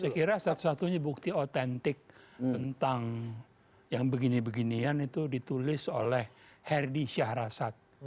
saya kira satu satunya bukti otentik tentang yang begini beginian itu ditulis oleh herdy syahrasat